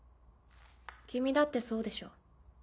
君だってそうでしょ？